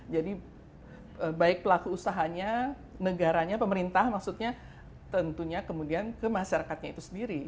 jadi baik pelaku usahanya negaranya pemerintah maksudnya tentunya kemudian ke masyarakatnya itu sendiri